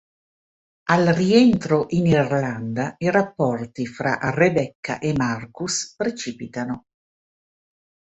Al rientro in Irlanda, i rapporti fra Rebecca e Marcus precipitano.